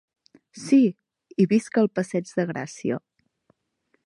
Sí, i visc al passeig de Gràcia.